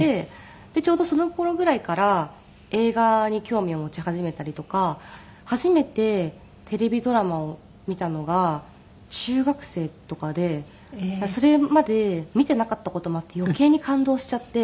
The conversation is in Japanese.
でちょうどその頃ぐらいから映画に興味を持ち始めたりとか初めてテレビドラマを見たのが中学生とかでそれまで見ていなかった事もあって余計に感動しちゃって。